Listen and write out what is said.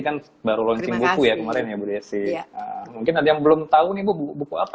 kan baru launching buku ya kemarin ya bu desi mungkin ada yang belum tahu nih buku buku apa